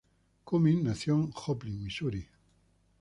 Cummings nació en Joplin, Missouri.